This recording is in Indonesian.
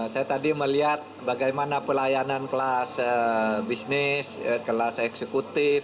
saya tadi melihat bagaimana pelayanan kelas bisnis kelas eksekutif